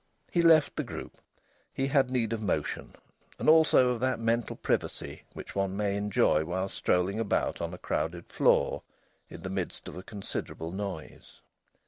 He left the group; he had need of motion, and also of that mental privacy which one may enjoy while strolling about on a crowded floor in the midst of a considerable noise.